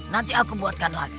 nanti aku buatkan lagi